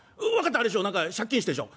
あれでしょう何か借金してんでしょう？